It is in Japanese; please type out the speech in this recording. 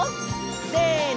せの！